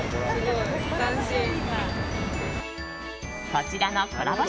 こちらのコラボ